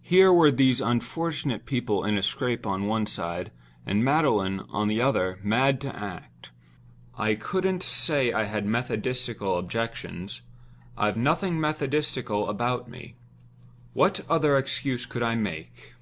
Here were these unfortunate people in a scrape on one side; and Magdalen, on the other, mad to act. I couldn't say I had methodistical objections—I've nothing methodistical about me. What other excuse could I make?